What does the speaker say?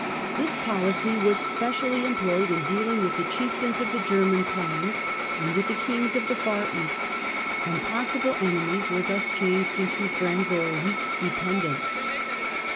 This po licy was specially employed in dealing with the chief tains of the German clans and with the kings of the far East, and possible enemies were thus changed into friends or weak dependents.